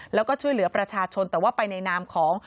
แล้วก็ช่วยเหลือประชาชนแต่ว่าไปในนามของ